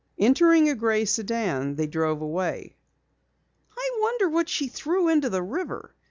Entering a gray sedan, they drove away. "I wonder what she threw into the river?"